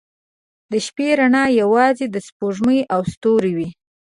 • د شپې رڼا یوازې د سپوږمۍ او ستورو وي.